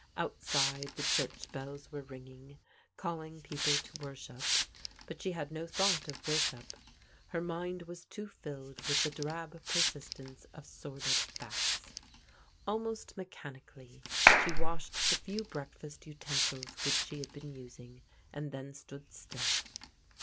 Outside the church bells were ringing, calling peo ple to worship, but she had no thought of worship ; her mind was too filled with the drab persistence of sordid facts. Almost mechanically she washed the few breakfast utensils which she had been t^sing and then stood still.